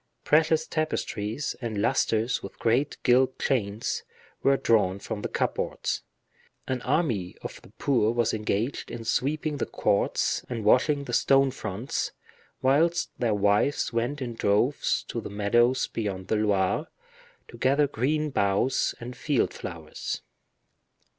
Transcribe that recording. Precious tapestries, and lusters with great gilt chains, were drawn from the cupboards; an army of the poor were engaged in sweeping the courts and washing the stone fronts, whilst their wives went in droves to the meadows beyond the Loire, to gather green boughs and field flowers.